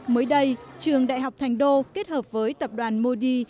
mới đây trường đại học thành đô kết hợp với tập đoàn modi